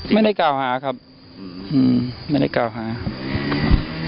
ไม่ได้กล่าวหาครับไม่ได้กล่าวหาครับ